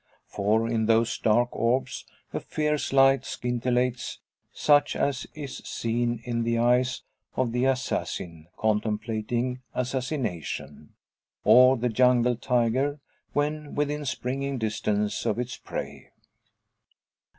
For in those dark orbs a fierce light scintillates, such as is seen in the eyes of the assassin contemplating assassination, or the jungle tiger when within springing distance of its prey.